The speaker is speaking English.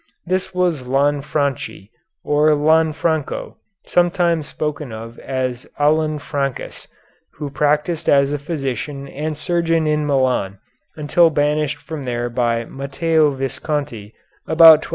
This was Lanfranchi, or Lanfranco, sometimes spoken of as Alanfrancus, who practised as physician and surgeon in Milan until banished from there by Matteo Visconti about 1290.